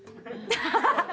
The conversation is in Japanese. ハハハハ！